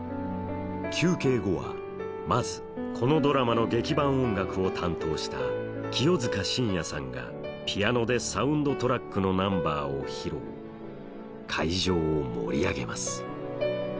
休憩後はまずこのドラマの劇伴音楽を担当した清塚信也さんがピアノでサウンドトラックのナンバーを披露会場を盛り上げます